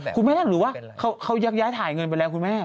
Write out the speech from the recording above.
ถี๊นเดี๋ยวแม่งรู้ว่าเค้ายักร์ย้ายถ่ายเงินไปแล้วคุณแม่